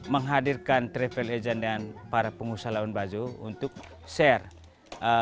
menghadirkan travel agent dan para pengusaha lawan bajo untuk share